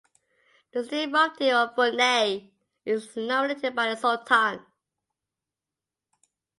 The State Mufti of Brunei is nominated by the Sultan.